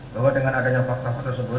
bahwa dengan adanya faktawa tersebut